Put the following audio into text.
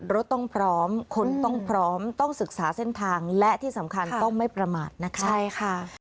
รถต้องพร้อมคนต้องพร้อมต้องศึกษาเส้นทางและที่สำคัญต้องไม่ประมาทนะคะใช่ค่ะ